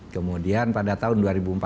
kemudian pada tahun dua ribu empat belas